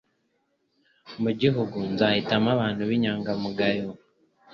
Mu gihugu nzahitamo abantu b’inyangamugayo